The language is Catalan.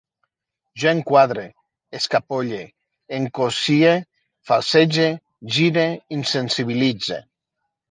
Jo enquadre, escapolle, encossie, falsege, gire, insensibilitze